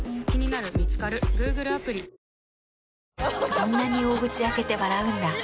そんなに大口開けて笑うんだ。